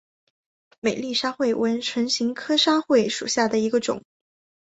美丽沙穗为唇形科沙穗属下的一个种。